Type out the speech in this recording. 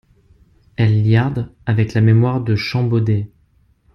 Elle liarde avec la mémoire de Champbaudet.